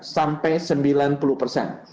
sampai sembilan puluh persen